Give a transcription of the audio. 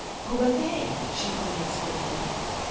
"Who are they?" she pointed swiftly.